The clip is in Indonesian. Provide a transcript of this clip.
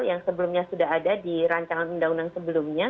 yang sebelumnya sudah ada di rancangan undang undang sebelumnya